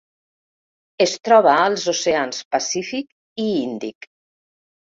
Es troba als oceans Pacífic i Índic.